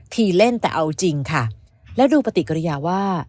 เล่นแต่เอาจริงค่ะแล้วดูปฏิกิริยาว่า